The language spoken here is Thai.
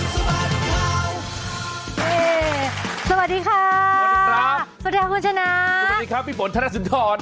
สวัสดีค่ะสวัสดีครับสวัสดีค่ะคุณชนะสวัสดีครับพี่ฝนธนสุนทร